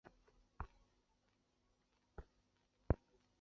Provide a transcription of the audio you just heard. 海沧街道是中国福建省厦门市海沧区下辖的一个街道。